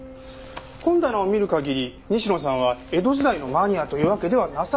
本棚を見る限り西野さんは江戸時代のマニアというわけではなさそうです。